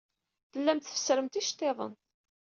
Tellamt tfessremt iceḍḍiḍen.